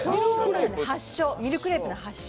ミルクレープの発祥。